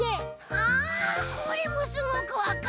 あこれもすごくわかる。